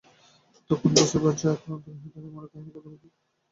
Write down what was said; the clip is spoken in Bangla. তখন বস্তুর বাহ্য আকার অন্তর্হিত হয়, মনে তাহার অর্থমাত্র অবশিষ্ট থাকে।